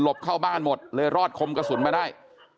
เข้าบ้านหมดเลยรอดคมกระสุนมาได้